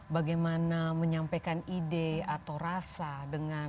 bagaimana menyampaikan ide atau rasa dengan